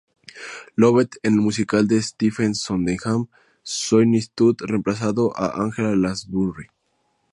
Lovett en el musical de Stephen Sondheim "Sweeney Todd", reemplazando a Angela Lansbury.